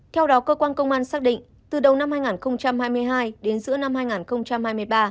theo đó cơ quan công an xác định từ đầu năm hai nghìn hai mươi hai đến giữa năm hai nghìn hai mươi ba